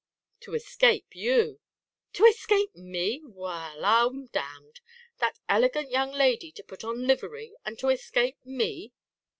"To escape you!" "To escape me! Wall, I'm damned! That elegant young lady to put on livery; and to escape me!"